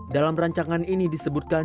dalam rancangan ini disebutkan